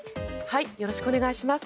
よろしくお願いします。